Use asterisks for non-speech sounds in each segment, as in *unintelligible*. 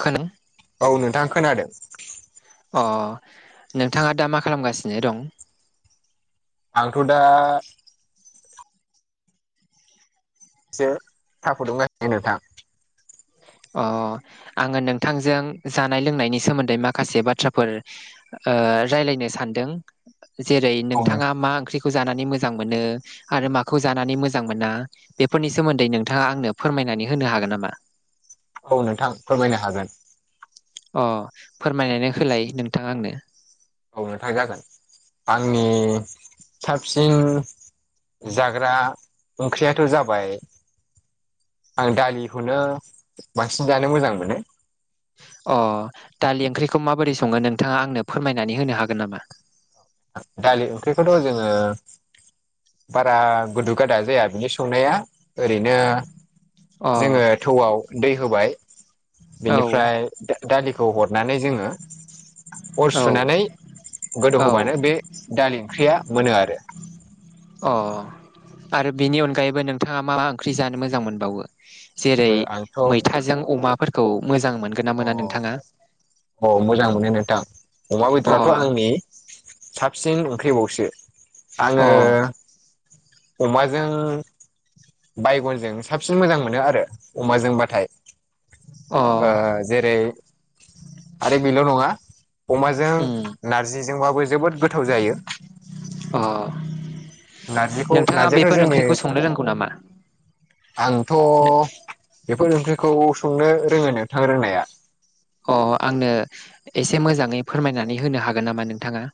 खोनादों औ नोंथां खोनादों अ नोंथाङा दा मा खालामगासिनो दं। आंथ' दा सो सा फुदुंगासिनो नोंथां। अ आङो नोंथांजों जानाय लोंनायनि सोमोन्दै माखासे बाथ्राफोर ओ रायलायनो सानदों जेरै औ नोंथाङा मा ओंख्रि खौ जानानै मोजां मोनो आरो माखौ जानानै मोजां मोना बेफोरनि सोमोन्दै नोंथाङा आंनो फोरमायनानै होनो हागोन नामा? औ नोंथां फोरमायनो हागोन अ फोरमायनानै होलाय नोंथां आंनो। औनोथा जागोन आंनि साबसिन जाग्रा ओंख्रियाथ' जाबाय। आं दालिखौनो बांसिन जानो मोजां मोनो। अ दालि ओंख्रिखौ माबोरै संङो नोंथाङा आंनो फोरमायनानै होनो हागोन नामा? दालि ओंख्रिखौथ' जोङो बारा गुदु गादा जाया बिनि संनाया ओरैनो अ जोङो थौआव दै होबाय औ बिनिफ्राय दा दालिखौ हरनानै जोङो अर औ सुनानै गोदौ होब औ बे दालि ओंख्रिया मोनो आरो। अ आरो बेनि अनगायैबो नोंथाङा मा मा ओंख्रि जानो मोजां मोनबावो। जेरै आंथ' मैथाजों अमाफोरखौ मोजां मोनगोन ना मोना अ नोंथाङा। औ मोजां मोनो नोंथां अमा अ बेदराथ' आंनि साबसिन ओंखैबावसो अ आङो अमाजों बायगनजों साबसिन मोजां मोनो आरो अमाजोंबाथाय। अ ओ जेरै आरो बेल' नङा अमाजों उम नारजिजोंबाबो जोबोद गोथाव जायो। अ नारजिखौ नोंथाङा नारजियाथ' बेफोर जोंनि ओंख्रिखौ संनो रोंगौ नामा? आंथ' बेफोर ओंख्रिखौ संनो रोङो नोंथां रोंनाया। अ आंनो एसे मोजाङै फोरमायनानै होनो हागोन नामा नोंथाङा?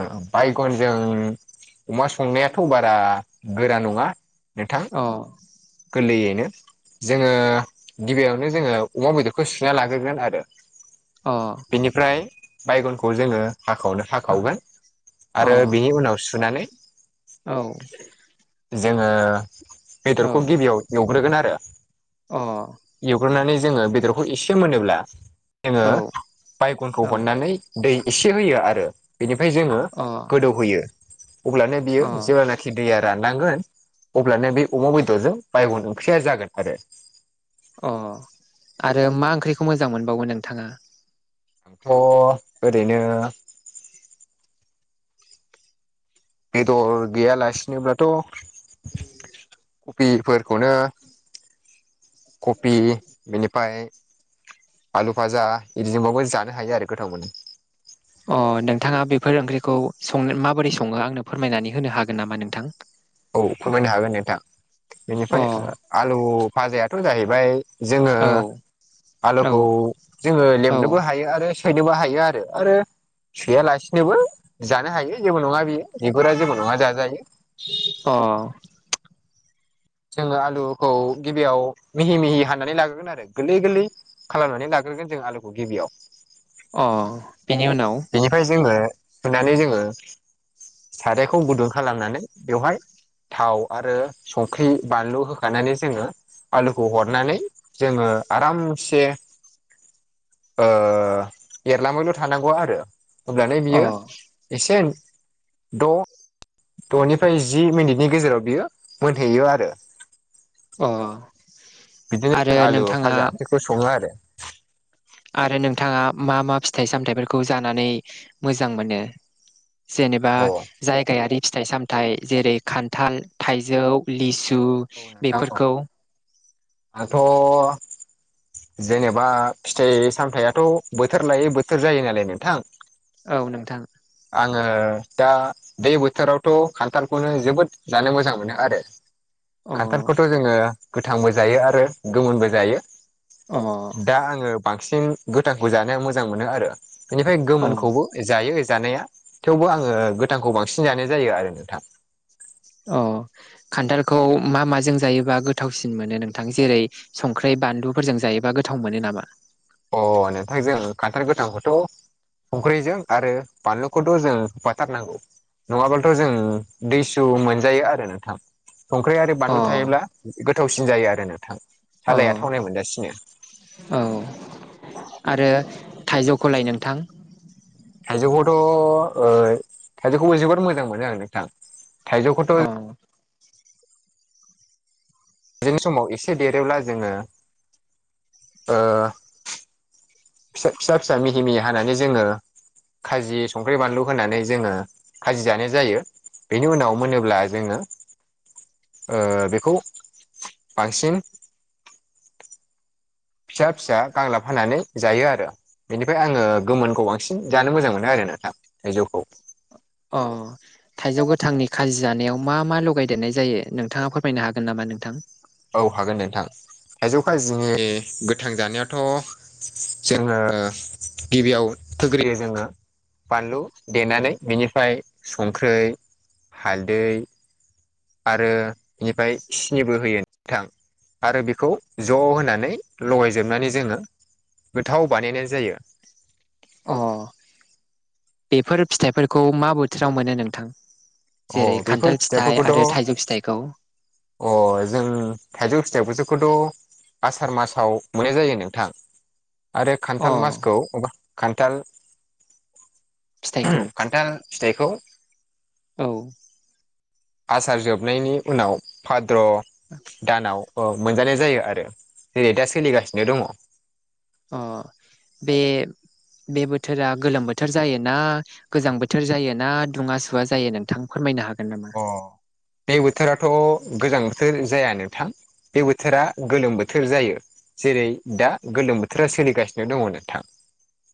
ओ बायगनजों अमा संनायाथ' बारा गोरा नङा नोंथां। औ। गोरलैयैनो। जोङो गिबियावनो जोङो अमा बेदरखौ सुना लाग्रोगोन आरो। अ। बिनिफ्राय बायगनखौ जोङो हाखाववनो हाखावगोन अ आरो बिनि उनाव सुनानै औ। जोङो बेदरखौ औ गिबियाव एवग्रोगोन आरो। अ। एवग्रोननानै जोङो बेदरखौ एसे मोनोब्ला जोङो औ बायगनखौ अ हरनानै दै एसे होयो आरो बेनिफ्राय जोङो गोदौहोयो अब्लानो बियो अ जेब्लाना नोखि दैया राननांगोन अब्लानो बे अमा बेदरजों बायगन ओंख्रिया जागोन आरो अ आरो मा ओंख्रिखौ मोजां मोनबावो नोंथाङा अ ओरैनो बेदर गैयालासिनोब्लाथ कफिफोरखौनो कफि बेनिफाय आलु भाजा इदिजोंबाबो जानो हायो आरो गोथाव मोनो। अ नोंथाङा बेफोर ओंख्रिखौ संनो माबोरै संङो आंनो फोरमायनानै होनो हागोन नामा नोंथां? औ फोरमायनो हागोन दे नोंथां अ बेनिफ्राय ओ आलु फाजायाथ जाहैबाय जोङो औ औ आलुखौ जोङो औ लेमनोबो हायो आरो सि फायनोबो हायो आरो आरो सोयालासिनोबो जानो हायो जेबो नङा बियो बिगुरा जेबो नङा जाजायो अ जोङो आलुखौ गिबियाव मिहि मिहि हाननानै लाग्रोगोन आरो गोलै गोलै खालामनानै लाग्रोगोन जों आलुखौ गिबियाव अ बेनि उनाव बेनिफ्राय जोङो सुनानै जोङो सारायखौ गुदुं खालामनानै बेवहाय थाव आरो संख्रि बानलु होखानानै जोङो आलुखौ हरनानै जोङो आरामसे ओ एरलाबायल थानांगौआ रो अब्लानो अ बियो एसे द दनिफ्राय जि मिनिटनि गेजेराव बियो मोनहैयो आरो अ आरो नोंथाङा संङो आरो आरो नोंथाङा मा मा फिथाइ सामथायाइफोरखौ जानानै मोजां मोनो जेनेबा अ औ जायगायारि फिथाइ सामथायाइ जेरै खान्थाल थाइजौ लिसु औ नोंथां औ बेफोरखौ आंथ जेनेबा फिथाइ सामथायाइआथ बोथोर लायै बोथोर जायो नालाय नोंथां औ नोंथां आंङो दा बे बोथोरावथ खान्थालखौनो जोबोद जानो मोजां मोनो आरो अ खान्थालखौथ जोङो गोथांबो जायो आरो गोमोनबो जायो अ दा आङो बांसिन गोथांखौ जानो मोजां मोनो आरो बेनिफाय अ गोमोनखौबो जायो जानाया थेवबो आङो गोथांखौ बांसिन जानाय जायो आरो नोंथां अ खान्थालखौ मा माजों जायोबा गोथावसिन मोनो नोंथां जेरै संख्रि बानलुफोरजों जायोबा गोथाव मोनो नामा अ नोंथां जों खान्थाल गोथांखौथ संख्रिजों आरो बानलुखौथ जों होफाथारनांगौ नङाबालथ जों दुइसु मोनजायो आरो नोथां संख्रि आरो अ बानलु थायोब्ला गोथावसिन जायो आरो नोंथां अ सालाया थावनाय मोनजासिनो औ आरो थाइजौखौलाय नोंथां थाइजौखौथ ओ थाइजौखौबो जोबोद मोजां मोनो आं नोंथां थाइजौखौथ अ बिनि समाव एसे देरोब्ला जोङो ओ फिसा फिसा मिहि मिहि हानानै जोङो खाजि संख्रि बानलु होनानै जोङो खाजि जानाय जायो बेनि उनाव मोनोब्ला जोङो ओ बेखौ बांसिन फिसा फिसा गांलाब हानानै जायो आरो बेनिफ्राय आङो गोमोनखौ बांसिन जानो मोजां मोनो आरो नोंथां थायजौखौ अ। थाइजौ गोथांनि खाजि जानायाव मा मा लगायदेरनाय जायो नोंथाङा फोरमायनो हागोन नामा नोंथां। औ हागोन नोंथां थाइजौ खाजिनि गोथां जानायाथ'। जोङो गिबियाव थोग्रोयो जोङो। बानलु देनानै बेनिफ्राय संखै हालदै। आरो बेनिफ्राय सिनिबो होयो गोथां। आरो बेखौ ज' होनानै लगायजोबनानै जोङो। गोथाव बानायनाय जायो। अ बेफोर फिथाइफोरखौ मा बोथोराव मोनो नोंथां। अ जेरै बेफोर खान्थाल फिथाइ फिथाइफोरखौथ' आरो थाइजौ फिथाइखौ। अ जों थाइजौ फिथायाइबोसोखौथ'। आसार मासाव मोननाय जायो नोंथां। आरो अ खान्थाल मासखौा खान्थाल फिथाइखौ खान्थाल। फिथाइखौ। औ। आसार जोबनायनि उनाव भाद्र'। ब। दानाव मोनजानाय जायो आरो जेरै दा सोलिगासिनो दङ। अ बे बोथोरा गोलोम बोथोर जायोना। गोजां बोथोर जायो ना दुङा सुवा जायो नोंथां फोरमायनो हागोन नामा। अ बे बोथोराथ' गोजां बोथोर जाया नोंथां। बे बोथोरा गोलोम बोथोर जायो जेरै दा गोलोम बोथोरा सोलिगासिनो दङ नोंथां।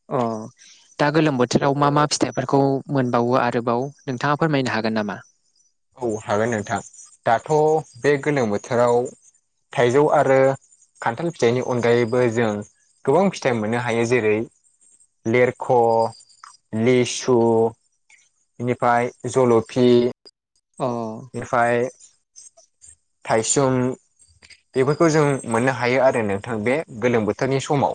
अ। दा गोलोम बोथोराव मा मा फिथाइफोरखौ मोनबावो आरोबाव नोंथाङा फोरमायनो हागोन नामा। औ हागोन नोंथां दाथ' बे गोलोम बोथोराव थाइजौ आरो। खान्थाल फिथाइनि अनगायैबो जों गोबां फिथाइ मोननो हायो जेरै। लिरख' लिसु। बेनिफ्राय जल'फि। अ। बेनिफ्राय थाइसुं। बेफोरखौ जों मोननो हायो आरो नोंथां बे गोलोम बोथोरनि समाव।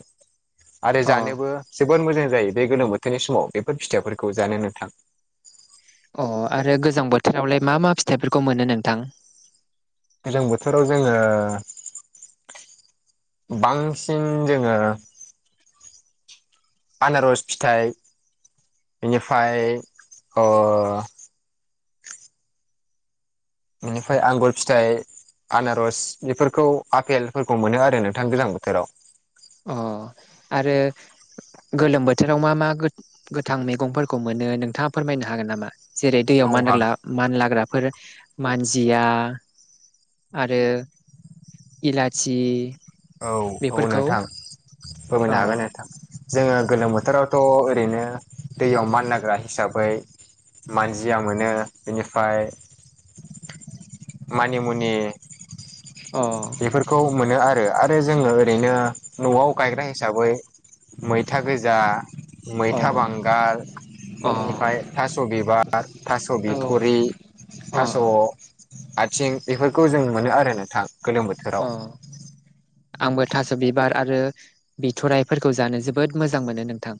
आरो अ जानोबो जोबोोर मोजां जायो बे गोलोम बोथोरनि समाव बेफोर फिथाइफोरखौ जानो नोंथां। अ आरो गोजां बोथोरावलाय मा मा फिथाइफोरखौ मोनो नोंथां। गोजां बोथोराव जोङो बांसिन जोङो। आनारस फिथाइ बेनिफ्राय। बेनिफ्राय आंगुर फिथाइ। आनारस बेफोरखौ आफपेलफोरखौ मोनो आरो नोंथां गोज्लां बोथोराव। अ आरो। गोलोम बोथोराव मा मा गोथां मैगंफोरखौ मोनो नोंथाङा फोरमायनो हागोन नामा। जेरै दैयाव औ मान हाग नाग्ला। मानलाग्राफोर मानजिया आरो। इलाायचि। औ औ नोंथां अ फोरमैनो हागोन नोंथां। जोङो गोलोम बोथोरावथ' ओरैनो दैयाव मानलाग्रा हिसाबै। मानजिया मोनो बेनिफ्राय। मानिमनि अ। बेफोरखौ मोनो आरो आरो जोङो ओरैनो। न'आव गायग्रा हिसाबै मैथा गोजा मैथा अ बांगाल। अ बेनिफ्राय थास' बिबार थास' औ बिथुरि अ थास'। आथिं बेफोरखौ जों मोनो आरो नोंथां गोलोम बो अ। आंबो थास' बिबार आरो बिथ'राइफोरखौ जानो जोबोद मोजां मोनो नोंथां।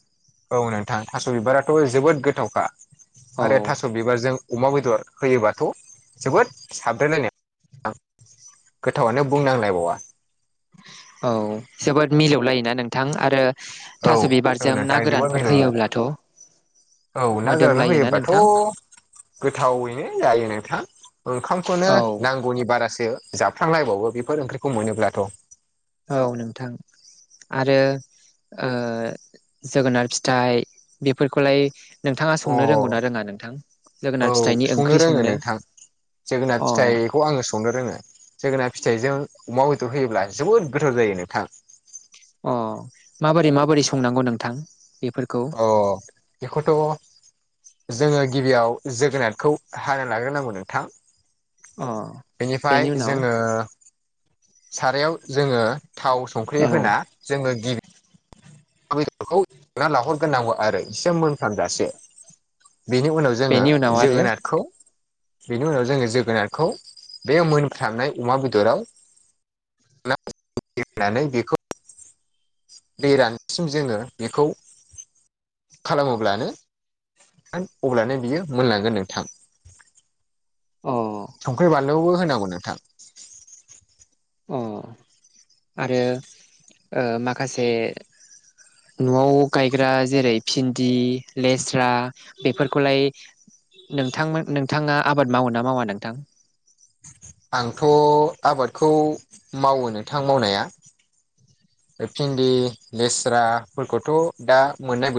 औ नोंथां थास' बिबाराथ' जोबोद गोथावखा आरो औ थास' बिबारजों अमा बेदर होयोबाथ' जोबोद साबद्रोलायनाय *unintelligible* गोथावानो बुंनांलायबावा। औ जोबोद मिलौलायोना नोंथां आरो औ थास' बिबारजों ना थाइजोबो गोरानफोर मिरु होयोब्लाथ' औ ना गोरनानै मोदोमलायोना होयोबाथ' नोंथां गोथावैनो जायो नोंथां ओंखामखौनो औ नांगौनि बारासो जाबफ्र्लांलायबावो बेफोर ओंख्रिखौ मोनोब्लाथ' औ नोंथां। आरो ओ जोगोनार फिथाइ बेफोरखौलाय नोंथाङा अ संनो रोंगौनाा रोङा नोंथां जोगोनार फिथाइनि ओंख्रि संनो? जोगनाथ अ फिथाइ खौ आङो संनो रोङो जोगोना फिथाइजों अमा बेदर होयोब्ला जोबोद गोथाव जायो नोंथां। अ माबोरै माबोरै संनांगौ नोंथां बेफोरखौ? अ बेखौथ' जोङो गिबियाव जोगोनारखौ हा लाग्रोनांगौ नोंथां। अ। बेनिफ्राय बेनि उनाव जोङो सारायाव जोङो थाव संख्रि औ होना जोङो गिबि *unintelligible* बेदरखौ *unintelligible* लाहरग्रोनांगौ आरो एसे मोनफ्रामजासे। बेनि उनाव जोङो बेनि उनाव आरो जोगोनारखौ बेनि उनाव जोङो जोगोनारखौ बे मोनफ्रामनाय अमा बेदराव *unintelligible* सिम जोङो बेखौ खालामोब्लानो अब्लानो बियो मोनलांगोन नोंथां। अ संख्रि बानलुबो होनांगौ नोंथां। अ आरो ओ माखासे न'आव गायग्रा जेरै भिन्दि लेस्रा बेफोरखौलाय नोंथांमोन नोंथाङा आबाद मावो ना मावा नोंथां? आंथ' आबादखौ मावो नोंथां मावनाया। भिन्दि लेस्रा फोरफोरखौथ' दा मोननाय